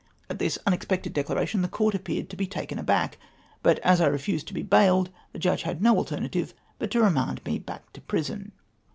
At tliis unex pected declaration the Coml appeared to be taken aback, but as I refused to be bailed, the Judge Jiad no alternative but to remand me back to prison.